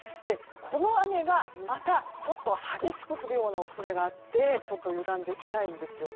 この雨がまたちょっと激しく降るような恐れがあってちょっと油断できないんですよ。